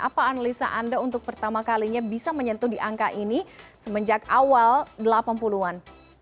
apa analisa anda untuk pertama kalinya bisa menyentuh di angka ini semenjak awal delapan puluh an